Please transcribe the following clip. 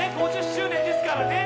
５０周年ですからね